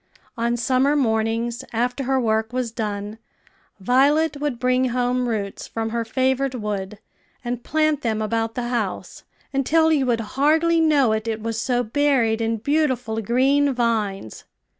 On summer mornings, after her work was done, Violet would bring home roots from her favorite wood, and plant them about the house, until you would hardly know it, it was so buried in beautiful green vines.